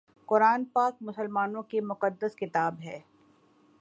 قرآن پاک مسلمانوں کی مقدس کتاب ہے